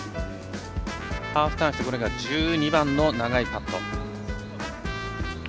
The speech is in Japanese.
ハーフターンして１２番の長いパット。